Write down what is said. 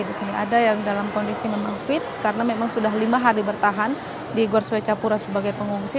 di sini ada yang dalam kondisi memang fit karena memang sudah lima hari bertahan di gor swecapura sebagai pengungsi